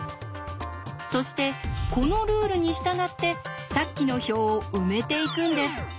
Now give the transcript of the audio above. そしてこのルールに従ってさっきの表を埋めていくんです。